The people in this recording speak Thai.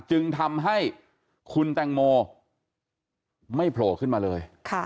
จึงทำให้คุณแตงโมไม่โผล่ขึ้นมาเลย